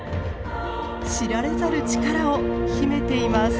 知られざる力を秘めています。